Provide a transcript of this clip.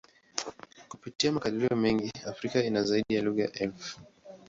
Kupitia makadirio mengi, Afrika ina zaidi ya lugha elfu.